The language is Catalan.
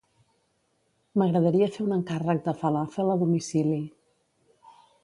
M'agradaria fer un encàrrec de falàfel a domicili.